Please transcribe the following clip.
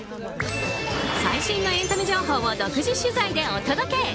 最新のエンタメ情報を独自取材でお届け。